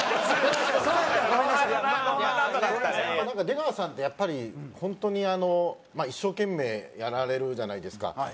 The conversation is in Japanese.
なんか出川さんってやっぱり本当にあのまあ一生懸命やられるじゃないですか。